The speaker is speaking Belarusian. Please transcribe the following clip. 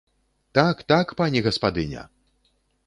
Так, так, пані гаспадыня!